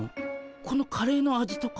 このカレーの味とか？